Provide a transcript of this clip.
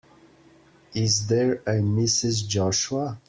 Is there a Mrs. Joshua?